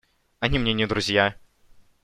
Они мне не друзья.